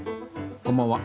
こんばんは。